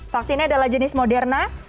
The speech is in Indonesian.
vaksinnya adalah jenis moderna